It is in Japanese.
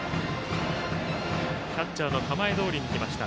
キャッチャーの構えどおりに来ました。